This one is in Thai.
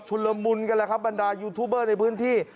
ละมุนกันแล้วครับบรรดายูทูบเบอร์ในพื้นที่